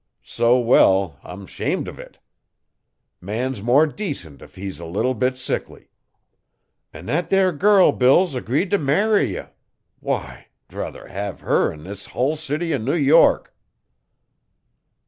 So well, I'm 'shamed uv it! Man's more decent if he's a leetle bit sickly. An' thet there girl Bill's agreed t'marry ye! Why! 'Druther hev her 'n this hull city o' New York.